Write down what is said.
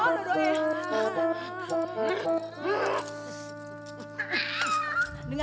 pari fem aja ya